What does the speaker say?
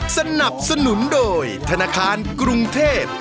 สนับสนุนโดยธนาคารกรุงเทพ